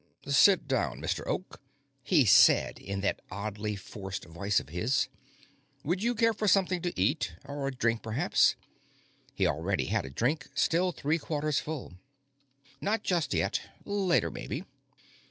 "Sit down, Mr. Oak," he said in that oddly forced voice of his. "Would you care for something to eat? Or a drink, perhaps?" He already had a drink, still three quarters full. "Not just yet. Later, maybe."